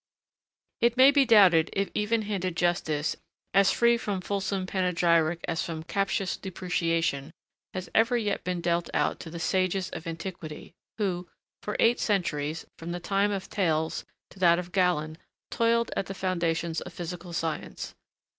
] It may be doubted if even handed justice, as free from fulsome panegyric as from captious depreciation, has ever yet been dealt out to the sages of antiquity who, for eight centuries, from the time of Thales to that of Galen, toiled at the foundations of physical science.